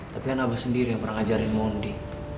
tapi kan abah sendiri yang pernah ngajarin mondi